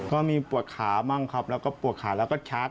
ก็มีปวดขาบ้างครับแล้วก็ปวดขาแล้วก็ชาร์จ